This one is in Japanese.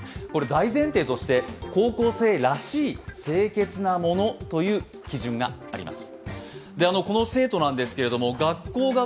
大前提として高校生らしい清潔なものという基準があります。